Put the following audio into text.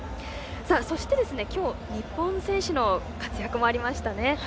そして、きょう日本選手の活躍もありましたね。